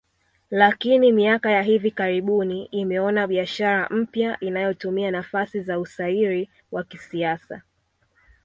Lakini miaka ya hivi karibuni imeona biashara mpya inayotumia nafasi za usairi wa kisasa